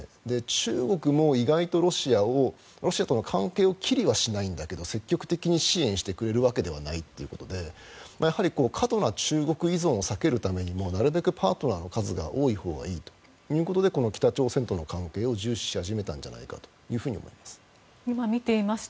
中国も意外とロシアとの関係を切りはしないんだけど積極的に支援してくれるわけではないということでやはり過度な中国依存は避けるためにもなるべくパートナーの数が多いほうがいいということでこの北朝鮮との関係を重視し始めたんじゃないかと思います。